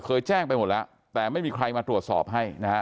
แจ้งไปหมดแล้วแต่ไม่มีใครมาตรวจสอบให้นะฮะ